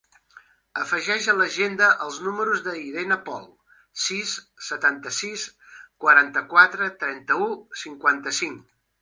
Afegeix a l'agenda el número de l'Irene Pol: sis, setanta-sis, quaranta-quatre, trenta-u, cinquanta-cinc.